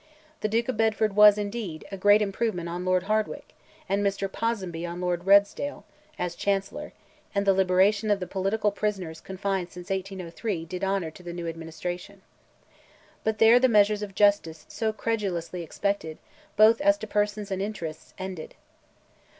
The Duke of Bedford was, indeed, a great improvement on Lord Hardwicke, and Mr. Ponsonby on Lord Redesdale, as Chancellor, and the liberation of the political prisoners confined since 1803 did honour to the new administration. But there the measures of justice so credulously expected, both as to persons and interests, ended.